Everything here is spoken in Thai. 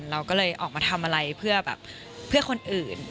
เราก็เลยออกมาทำอะไรเพื่อคนอื่น